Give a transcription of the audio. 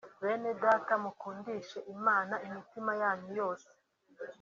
Benedata mukundishe Imana imitima yanyu yose